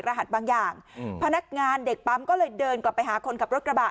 รหัสบางอย่างพนักงานเด็กปั๊มก็เลยเดินกลับไปหาคนขับรถกระบะ